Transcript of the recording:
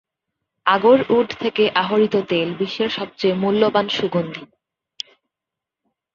আগর would থেকে আহরিত তেল বিশ্বের সবচেয়ে মূল্যবান সুগন্ধি।